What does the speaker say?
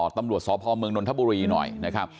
ตำรวจสพเมืองนนทบุรีหน่อยนะครับ